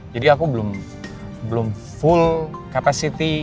jadi aku belum full capacity